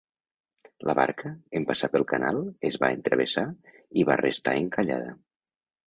La barca, en passar pel canal, es va entravessar i va restar encallada.